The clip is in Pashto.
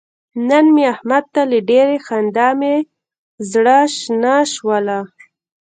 نن مې احمد ته له ډېرې خندا مې زره شنه شوله.